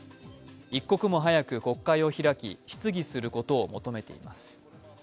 一刻も早く国会を開き質疑することを求めています。